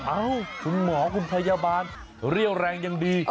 เอ้าคุณหมอคุณพยาบาลเรี่ยวแรงยังดี